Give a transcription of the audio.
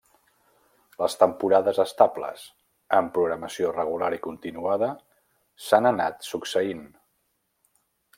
Les temporades estables, amb programació regular i continuada s’han anat succeint.